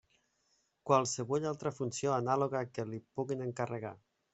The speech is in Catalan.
Qualsevulla altra funció anàloga que li puguin encarregar.